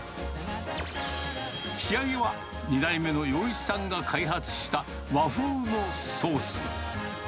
仕上げは２代目の洋一さんが開発した和風のソース。